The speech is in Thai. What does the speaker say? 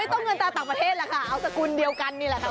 ต้องเงินตาต่างประเทศแหละค่ะเอาสกุลเดียวกันนี่แหละค่ะ